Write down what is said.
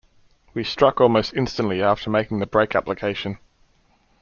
We struck almost instantly after making the brake application.